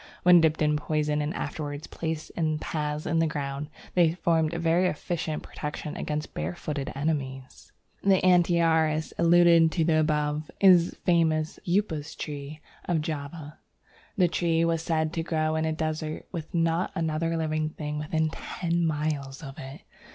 When dipped in poison and afterwards placed in paths in the ground, they formed a very efficient protection against barefooted enemies. The Antiaris alluded to above is the famous Upas tree of Java. The tree was said to grow in a desert with not another living plant within ten miles of it.